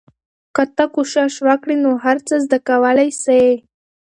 که ته کوشش وکړې نو هر څه زده کولای سې.